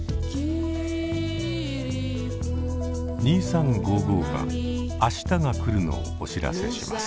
「２３」が明日が来るのをお知らせします。